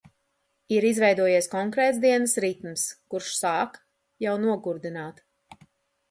Ir izveidojies konkrēts dienas ritms, kurš sāk jau nogurdināt.